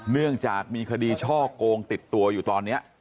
เนื่องจากมีคดีช่อกงติดตัวอยู่ตอนนี้